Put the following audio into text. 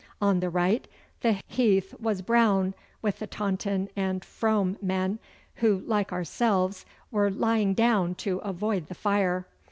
On the right the heath was brown with the Taunton and Frome men, who, like ourselves, were lying down to avoid the fire.